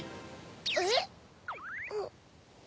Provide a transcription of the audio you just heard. えっ？